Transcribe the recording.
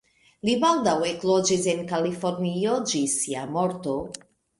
Li baldaŭ ekloĝis en Kalifornio ĝis sia morto.